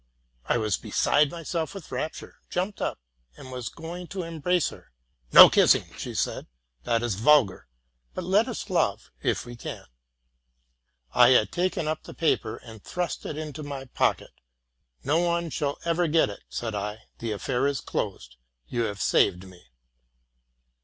I was beside myself with rapture, jumped up, and was going to embrace her. '* No kissing!' said she, '* that is so vulgar; but let us love if we can.'' Thad taken up the paper, and thrust it into my pocket. '* No one shall ever get it,'' said I: '* the affair is closed. You have saved me.